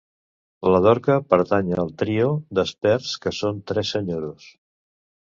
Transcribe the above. El Dorca pertany al trio d'experts, que són tres senyoros.